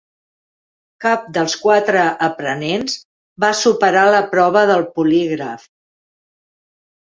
Cap dels quatre aprenents va superar la prova del polígraf.